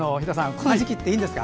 この時期はいいんですか？